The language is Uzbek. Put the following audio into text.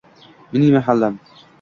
Mening mahallam